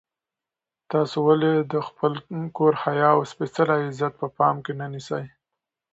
تاسو ولې د خپل کور حیا او سپېڅلی عزت په پام کې نه نیسئ؟